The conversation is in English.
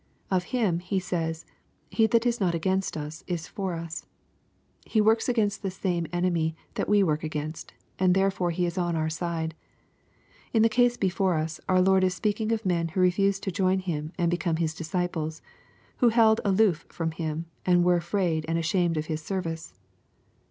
Of him He says, " He that ia not against us, is for us." He works against the same enemy tljat we work against, and therefore be is on our side. — In the case before us, our Lord is speaking of men who refused to join Him and become His disciples, who held aloof fi*om Him, and were afraid or asl.amed of His service.